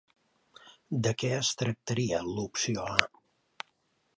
De què es tractaria l'opció A?